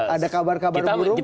ada kabar kabar burung